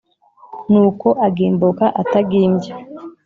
nuko agimbuka atagimbye